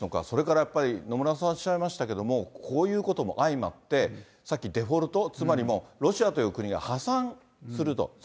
それからやっぱり、野村さんおっしゃいましたけども、こういうことも相まって、さっきデフォルト、つまりロシアという国が破産すると。